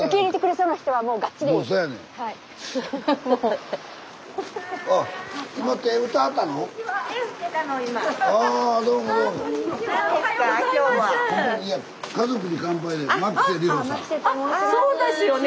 そうですよね。